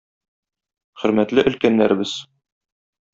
Хөрмәтле өлкәннәребез!